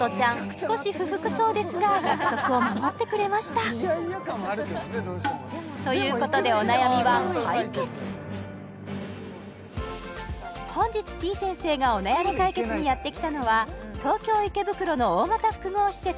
少し不服そうですが約束を守ってくれましたということでお悩みは解決本日てぃ先生がお悩み解決にやってきたのは東京・池袋の大型複合施設